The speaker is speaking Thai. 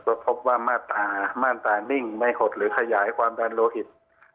ก็พบว่ามาตรานิ่งไม่หดหรือขยายความดันโลหิต